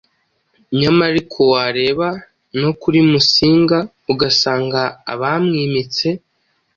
Nyamara ariko wareba no kuri Musinga ugasanga abamwimitse